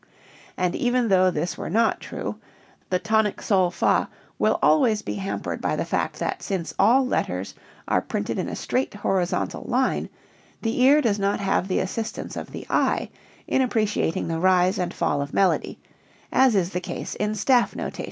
And even though this were not true, the tonic sol fa will always be hampered by the fact that since all letters are printed in a straight horizontal line the ear does not have the assistance of the eye in appreciating the rise and fall of melody, as is the case in staff notation.